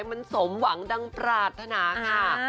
นะครับถ้าผ่านสมหวังดังปราศนาค่ะ